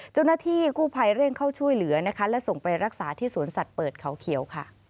เจ้าหน้าที่กู้ภัยเร่งเข้าช่วยเหลือนะคะและส่งไปรักษาที่สวนสัตว์เปิดเขาเขียวค่ะ